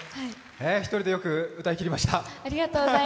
１人でよく歌い切りました。